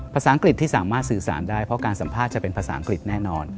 ภาษาอังกฤษที่สามารถสื่อสารได้เพราะการสัมภาษณ์จะเป็นภาษาอังกฤษแน่นอน